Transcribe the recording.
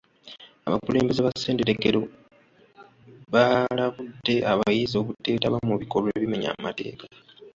Abakulembeze ba ssetendekero baalabudde abayizi obuteetaba mu bikolwa ebimenya amateeka .